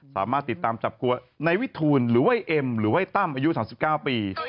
สามารถติดตามจับตัวนายวิทูลหรือว่าเอ็มหรือว่าตั้มอายุ๓๙ปี